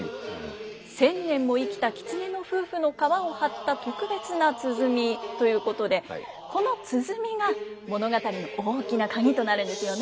千年も生きた狐の夫婦の皮を張った特別な鼓ということでこの鼓が物語の大きな鍵となるんですよね。